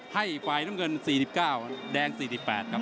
ให้ฝ่ายน้ำเงิน๔๙แดง๔๘ครับ